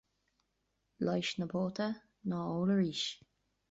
Leigheas na póite ná ól arís.